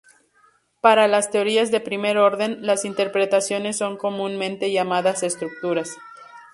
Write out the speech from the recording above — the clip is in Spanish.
Para las teorías de primer orden, las interpretaciones son comúnmente llamadas estructuras.